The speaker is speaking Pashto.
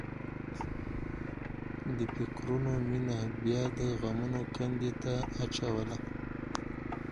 دې فکرونو مينه بیا د غمونو کندې ته اچوله